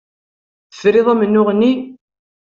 Tefriḍ amennuɣ-nni.